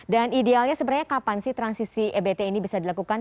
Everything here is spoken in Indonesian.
idealnya sebenarnya kapan sih transisi ebt ini bisa dilakukan